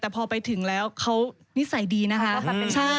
แต่พอไปถึงแล้วเขานิสัยดีนะคะ